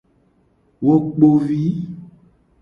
Wo kpo vi.